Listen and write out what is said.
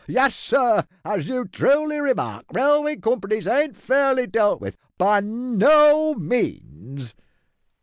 Yes, sir, as you truly remark, railway companies ain't fairly dealt with, by no means."